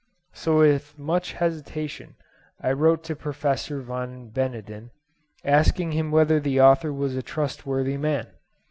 So with much hesitation I wrote to Professor Van Beneden, asking him whether the author was a trustworthy man.